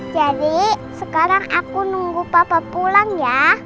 jadi sekarang aku nunggu papa pulang ya